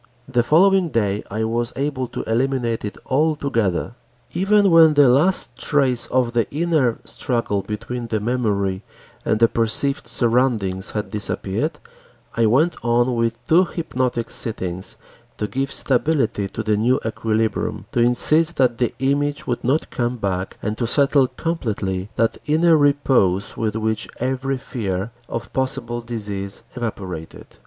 The following day I was able to eliminate it altogether. Even when the last trace of the inner struggle between the memory and the perceived surroundings had disappeared, I went on with two hypnotic sittings to give stability to the new equilibrium, to insist that the image would not come back and to settle completely that inner repose with which every fear of possible disease evaporated.